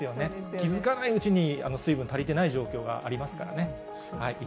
気付かないうちに、水分足りてない状況がありますからね。